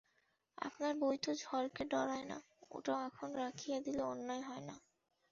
আপনার বই তো ঝড়কে ডরায় না, ওটা এখন রাখিয়া দিলে অন্যায় হয় না।